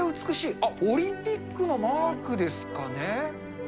あっ、オリンピックのマークですかね。